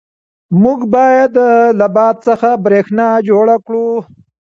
موږ باید له باد څخه برېښنا جوړه کړو.